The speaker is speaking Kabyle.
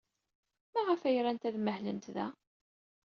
Maɣef ay rant ad mahlent da?